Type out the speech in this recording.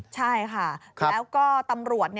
ใช่ค่ะแล้วก็ตำรวจ